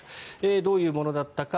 どういうものだったか。